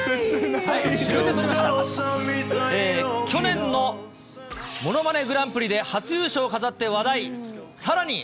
去年のものまねグランプリで初優勝を飾って話題。